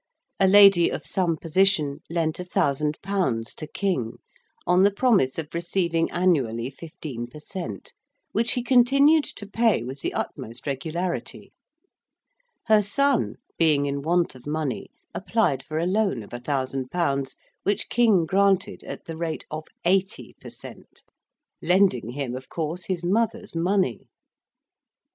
A lady of some position lent a thousand pounds to King, on the promise of receiving annually 15 per cent.; which he continued to pay with the utmost regularity. Her son being in want of money applied for a loan of a thousand pounds, which King granted at the rate of 80 per cent.; lending him of course his mother's money.